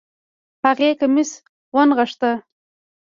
هغې کميس ونغښتۀ